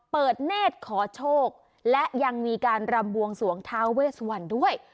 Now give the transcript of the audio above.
เนธขอโชคและยังมีการรำบวงสวงท้าเวสวันด้วย